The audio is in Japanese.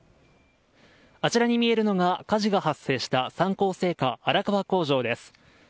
あちらに見えるのが火事が発生した三幸製菓荒川工場です。